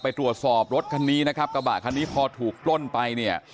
ไปตรวจสอบรถคันนี้นะครับกระบะคันนี้พอถูกปล้นไปเนี่ย